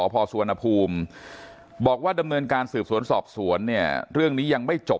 สอสวนภูมิบอกว่าดำเนินการสืบสวนสอบสวนเนี่ย